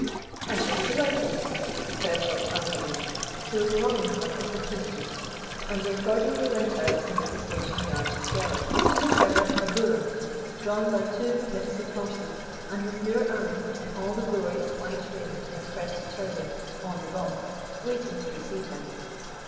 "I shall be delighted," said Lord Amberley, who was longing for an opportunity, and they accordingly went out into the station yard together to discover a brougham, drawn by two magnificent horses, and with Nur Ali, in all the glory of white raiment and crested turban, on the box, waiting to receive them.